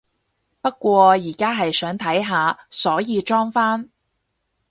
不過而家係想睇下，所以裝返